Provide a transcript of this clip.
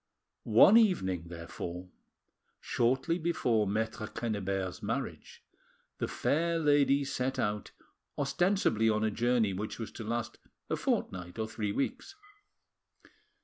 One evening, therefore, shortly before Maitre Quennebert's marriage, the fair lady set out, ostensibly on a journey which was to last a fortnight or three weeks.